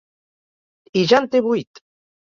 I ja en té vuit!